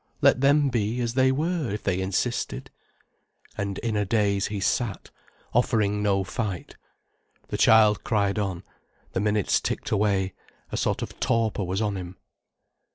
Let them be as they were, if they insisted. And in a daze he sat, offering no fight. The child cried on, the minutes ticked away, a sort of torpor was on him.